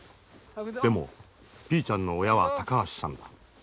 でもピーちゃんの親は高橋さんだ。